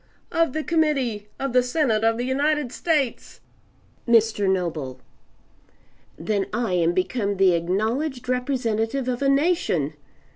"Of the Committee! Of the Senate of the United States!" Mr. Noble "Then I am become the acknowledged representative of a nation.